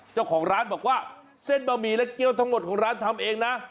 เจ้าของร้านบอกว่าเส้นบะหมี่และเกี้ยวทั้งหมดของร้านทำเองนะ